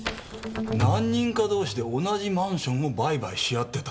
何人か同士で同じマンションを売買し合ってたと。